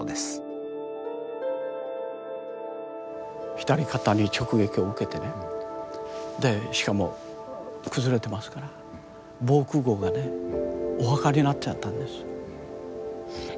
左肩に直撃を受けてねでしかも崩れてますから防空壕がねお墓になっちゃったんです。